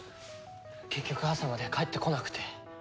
結局朝まで帰ってこなくて。